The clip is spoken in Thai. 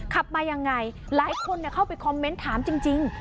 ขับมายังไงหลายคนเข้าไปคอมเมนต์ถามจริง